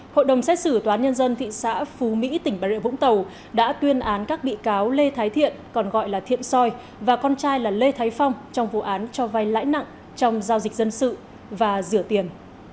hội đồng xét xử toán nhân dân thị xã phú mỹ tỉnh bà rịa vũng tàu đã tuyên án các bị cáo lê thái thiện còn gọi là thiện soi và con trai là lê thái phong trong vụ án cho vai lãi nặng trong giao dịch dân sự và rửa tiền